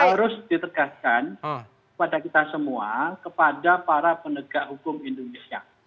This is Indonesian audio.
harus ditegaskan kepada kita semua kepada para penegak hukum indonesia